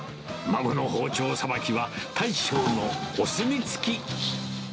孫の包丁さばきは、大将のお墨付き。